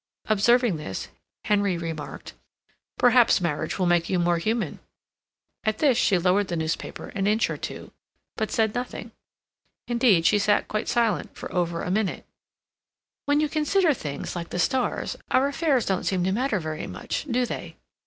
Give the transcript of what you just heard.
Observing this, Henry remarked: "Perhaps marriage will make you more human." At this she lowered the newspaper an inch or two, but said nothing. Indeed, she sat quite silent for over a minute. "When you consider things like the stars, our affairs don't seem to matter very much, do they?"